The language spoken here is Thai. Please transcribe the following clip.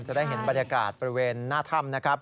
จะได้เห็นบรรยากาศบริเวณหน้าถ้ำนะครับ